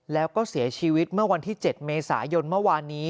แล้วก็เสียชีวิตเมื่อวันที่๗เมษายนเมื่อวานนี้